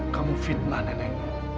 kamu fitnah nenek